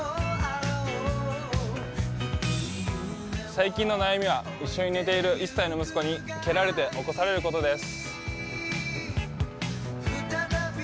最近の悩みは一緒に寝ている１歳の息子に蹴られて起こされることです。